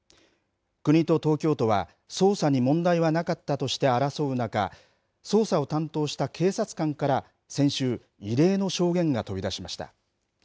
国と東京都は捜査に問題はなかったとして争う中、捜査を担当した警察官から先週、異例の証言が飛び出しました。